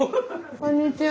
こんにちは。